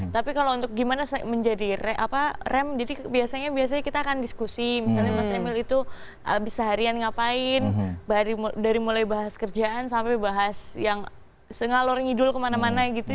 tapi kalau untuk gimana menjadi rem jadi biasanya biasanya kita akan diskusi misalnya mas emil itu habis seharian ngapain dari mulai bahas kerjaan sampai bahas yang sengalor ngidul kemana mana gitu